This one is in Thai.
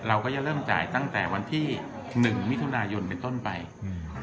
เราก็จะเริ่มจ่ายตั้งแต่วันที่หนึ่งมิถุนายนเป็นต้นไปอืม